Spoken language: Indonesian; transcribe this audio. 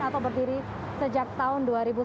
atau berdiri sejak tahun dua ribu sembilan